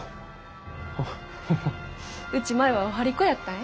うち前はお針子やったんえ。